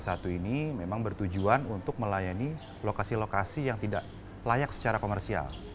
ini berarti ini adalah program yang bertujuan untuk melayani lokasi lokasi yang tidak layak secara komersial